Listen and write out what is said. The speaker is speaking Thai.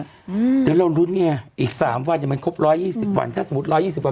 เดี๋ยวเรารู้นี่ไงอีก๓วันมันครบ๑๒๐วัน